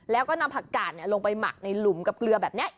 แล้วก็นำผักกาดลงไปหมักในหลุมกับเกลือแบบนี้